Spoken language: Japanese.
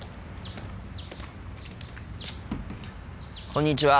こんにちは。